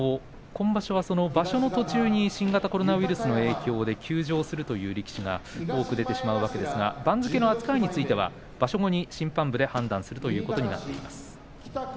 今場所は場所の途中に新型コロナウイルスの影響で休場するという力士が多く出てしまうわけですが番付の扱いについては場所後に審判部で判断するということになっています。